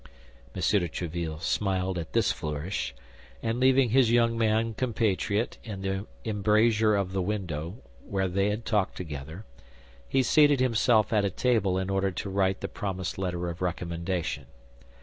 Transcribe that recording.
M. de Tréville smiled at this flourish; and leaving his young man compatriot in the embrasure of the window, where they had talked together, he seated himself at a table in order to write the promised letter of recommendation.